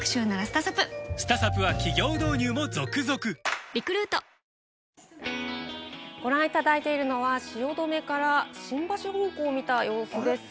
ニトリご覧いただいているのは、汐留から新橋方向を見た様子です。